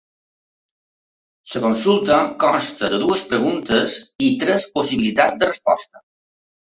La consulta consta de dues preguntes i tres possibilitats de resposta.